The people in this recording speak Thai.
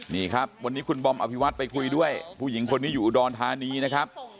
นี่ครับวันนี้คุณบอมอภิวัตไปคุยด้วยผู้หญิงคนนี้อยู่อุดรธานีนะครับ